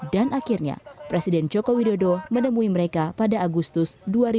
dan akhirnya presiden joko widodo menemui mereka pada agustus dua ribu enam belas